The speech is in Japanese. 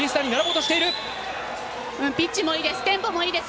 ピッチもいいです